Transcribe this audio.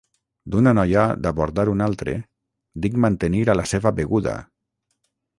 D'una noia d'abordar un altre, dic mantenir a la seva beguda!